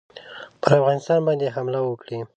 پر افغانستان باندي حمله وکړي.